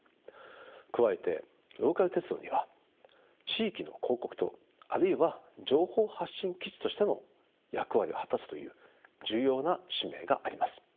加えてローカル鉄道には地域の広告塔あるいは情報発信基地としての役割を果たすという重要な使命があります。